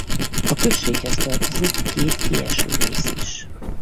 A községhez tartozik két kieső rész is.